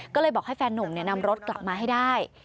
ก็เลยบอกให้แฟนนุ่มนำรถกลับมาให้ได้